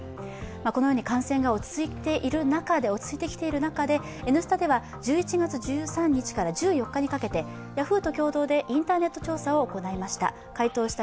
このように感染が落ち着いてきている中で「Ｎスタ」では１１月１３日から１４日にかけてヤフーと共同でインターネット調査をしました。